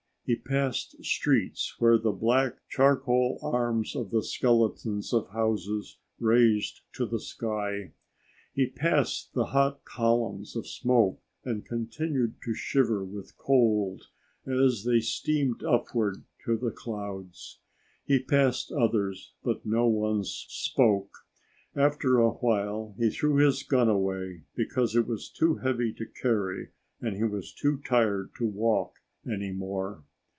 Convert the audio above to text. He passed streets where the black, charcoal arms of the skeletons of houses raised to the sky. He passed the hot columns of smoke and continued to shiver with cold as they steamed upward to the clouds. He passed others but no one spoke. After a while he threw his gun away because it was too heavy to carry and he was too tired to walk any more.